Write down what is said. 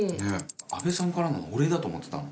阿部さんからのお礼だと思ってたの。